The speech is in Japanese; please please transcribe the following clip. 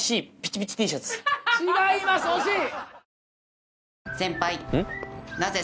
違います惜しい！